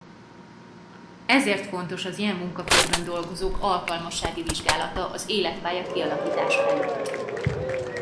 Ezért fontos az ilyen munkakörben dolgozók alkalmassági vizsgálata az életpálya kialakítása előtt.